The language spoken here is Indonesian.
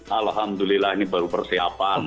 alhamdulillah ini baru persiapan